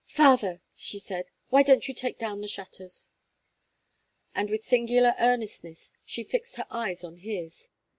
"Father!" she said, "why don't you take down the shutters?" And with singular earnestness she fixed her eyes on his.